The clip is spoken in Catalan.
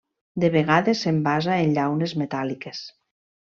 De vegades s'envasa en llaunes metàl·liques.